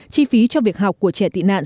chi phí cho việc học của trẻ tị nạn